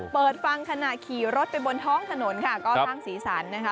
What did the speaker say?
เปิดฟังขณะขี่รถไปบนท้องถนนค่ะก็สร้างสีสันนะคะ